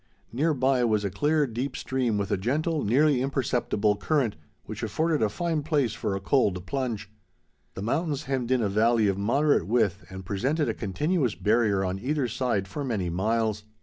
Near by was a clear deep stream with a gentle, nearly imperceptible current, which afforded a fine place for a cold plunge. The mountains hemmed in a valley of moderate width and presented a continuous barrier on either side for many miles.